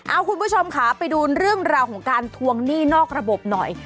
เอาคุณผู้ชมค่ะไปดูเรื่องราวของการทวงหนี้นอกระบบหน่อย